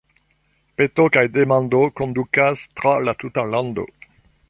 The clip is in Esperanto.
Peto kaj demando kondukas tra la tuta lando.